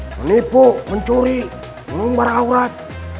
menipu mencuri mengumbar aurat